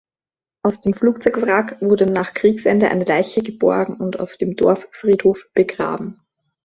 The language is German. Aus dem Flugzeugwrack wurde nach Kriegsende eine Leiche geborgen und auf dem Dorffriedhof begraben.